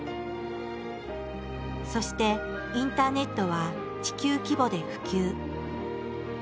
そしてインターネットは地球規模で普及。